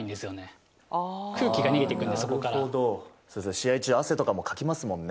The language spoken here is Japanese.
試合中汗とかもかきますもんね。